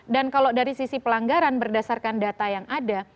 dan kalau dari sisi pelanggaran berdasarkan data yang ada